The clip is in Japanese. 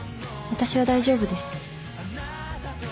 私は大丈夫です。